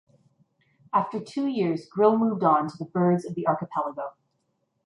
After two years Grill moved on to the birds of the archipelago.